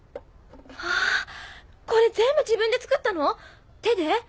わぁこれ全部自分で作ったの⁉手で？